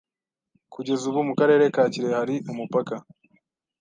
Kugeza ubu mu Karere ka Kirehe hari umupaka